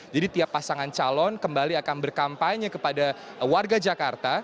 jadi tiap pasangan calon kembali akan berkampanye kepada warga jakarta